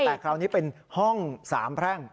แต่คราวนี้เป็นห้องสามแพร่ง